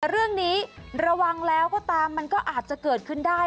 เรื่องนี้ระวังแล้วก็ตามมันก็อาจจะเกิดขึ้นได้